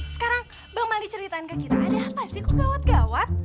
sekarang bang mali ceritain ke kita ada apa sih kok gawat gawat